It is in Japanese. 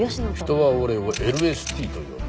人は俺をＬＳＴと呼ぶ。